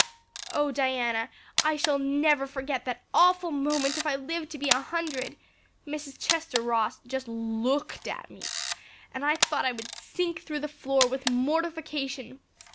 Oh, Diana, I shall never forget that awful moment if I live to be a hundred. Mrs. Chester Ross just looked at me and I thought I would sink through the floor with mortification.